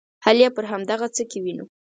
حل یې پر همدغه څه کې وینو.